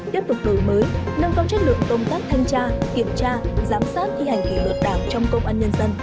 tiếp tục đổi mới nâng cao chất lượng công tác thanh tra kiểm tra giám sát thi hành kỷ luật đảng trong công an nhân dân